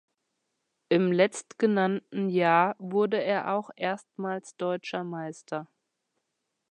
Im letztgenannten Jahr wurde er auch erstmals deutscher Meister.